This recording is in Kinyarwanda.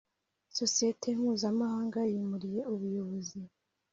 isosiyete mpuzamahanga yimuriye ubuyobozi